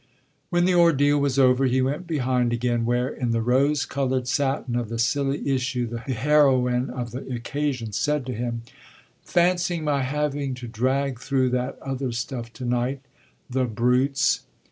When the ordeal was over he went behind again, where in the rose coloured satin of the silly issue the heroine of the occasion said to him: "Fancy my having to drag through that other stuff to night the brutes!"